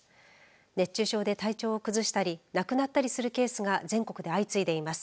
熱中症で体調崩したり亡くなったりするケースが全国で相次いでいます。